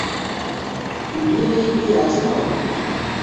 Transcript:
তুমিও এই বিয়ে রাজি নও?